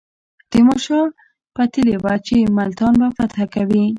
تیمور شاه پتېیلې وه چې ملتان به فتح کوي.